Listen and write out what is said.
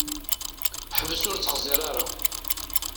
Ḥbes ur ttxeẓẓiṛ ara!